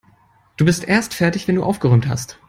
Du bist erst fertig, wenn du aufgeräumt hast.